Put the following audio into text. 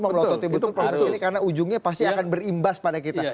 melototi betul proses ini karena ujungnya pasti akan berimbas pada kita